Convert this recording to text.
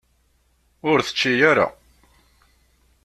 Ur tečči ara.